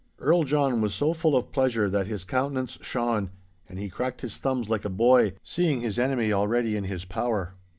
Earl John was so full of pleasure that his countenance shone, and he cracked his thumbs like a boy, seeing his enemy already in his power.